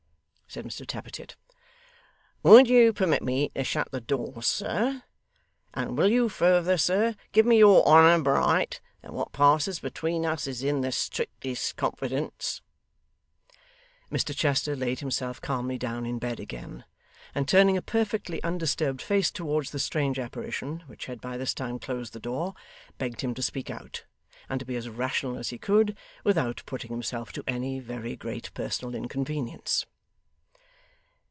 'Ahem!' said Mr Tappertit. 'Would you permit me to shut the door, sir, and will you further, sir, give me your honour bright, that what passes between us is in the strictest confidence?' Mr Chester laid himself calmly down in bed again, and turning a perfectly undisturbed face towards the strange apparition, which had by this time closed the door, begged him to speak out, and to be as rational as he could, without putting himself to any very great personal inconvenience.